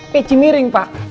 peci miring pak